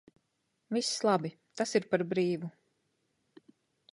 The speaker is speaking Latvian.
Viss labi, tas ir par brīvu.